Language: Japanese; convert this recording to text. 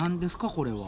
これは。